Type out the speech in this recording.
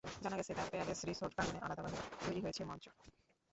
জানা গেছে, the palace resort প্রাঙ্গণে আলাদাভাবে তৈরি করা হয়েছে মঞ্চ।